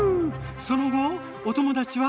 その後お友達は？